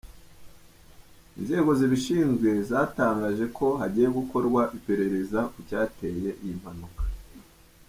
Inzego zibishinzwe zatangaje ko hagiye gukorwa iperereza ku cyateye iyi mpanuka.